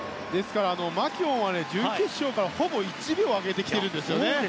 マキュオンは準決勝からほぼ１秒上げてきているんです。